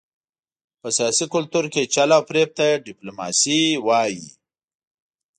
په سیاسي کلتور کې چل او فرېب ته ډیپلوماسي وايي.